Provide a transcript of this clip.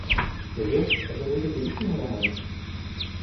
Gelo ez ê rojekê biçim Hewramanê.